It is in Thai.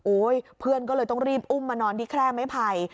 โอ้ยเพื่อนก็เลยต้องรีบอุ้มมานอนดิแคร่งไม่ไผ่